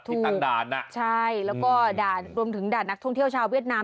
ตั้งด่านอ่ะใช่แล้วก็ด่ารวมถึงด่านักท่องเที่ยวชาวเวียดนาม